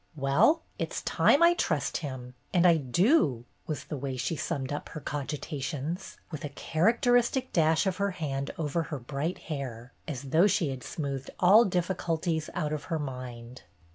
"Well, it "s time I trust him. And I do,'' was the way she summed up her cogitations, with a characteristic dash of her hand over her bright hair, as though she had smoothed all difficulties out of her mind.